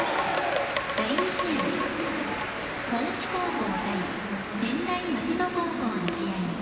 第２試合高知高校対専大松戸高校の試合